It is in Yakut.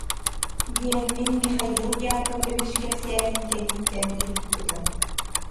диэн мин Михаил Яковлевич кэпсээнин кэнниттэн ыйыппытым